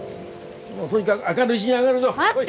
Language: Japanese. もうとにかく明るいうぢに揚げるぞ来い。